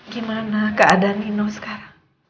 gimana keadaan nino sekarang